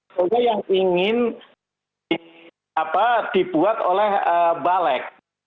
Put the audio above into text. soalnya yang ingin apa dibuat oleh balek